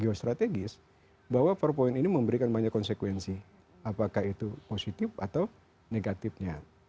geostrategis bahwa empat point ini memberikan banyak konsekuensi apakah itu positif atau negatifnya